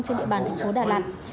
trên địa bàn thành phố đà lạt